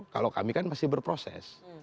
kalau kami kan masih berproses